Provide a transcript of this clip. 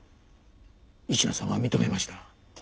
市野さんは認めました。